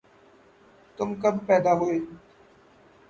تم کب پیدا ہوئے